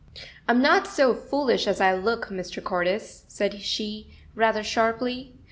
"I'm not so foolish as I look, Mr. Cordis," said she, rather sharply.